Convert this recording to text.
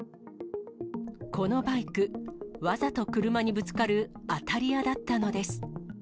このバイク、わざと車にぶつかる当たり屋だったのです。